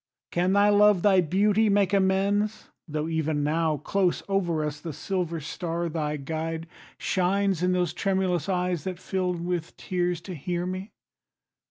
Can thy love, Thy beauty, make amends, tho' even now, Close over us, the silver star, thy guide, Shines in those tremulous eyes that fill with tears To hear me?